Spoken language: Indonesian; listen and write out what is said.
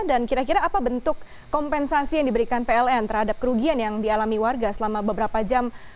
dan kira kira apa bentuk kompensasi yang diberikan pln terhadap kerugian yang dialami warga selama beberapa jam